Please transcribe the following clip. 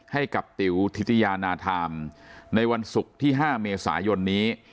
ให้กับติ๋วทิติยานาธามในวันศุกร์ที่๕เมษายนนี้